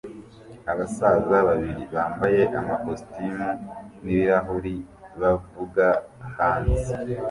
Abasaza babiri bambaye amakositimu n'ibirahuri bavuga hanze